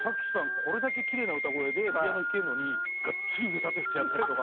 これだけきれいな歌声でピアノ弾けるのにがっつり腕立て伏せやったりとか。